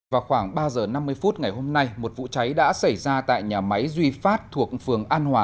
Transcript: vào khoảng ba giờ năm mươi phút ngày hôm nay một vụ cháy đã xảy ra tại nhà máy duy phát thuộc phường an hòa